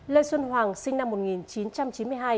lê xuân hoàng sinh năm một nghìn chín trăm chín mươi hai